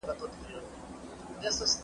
شپه ویده کېدای شي، خو ښه خوب کول اړین دي.